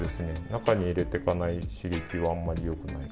中に入れていかない刺激はあまりよくない。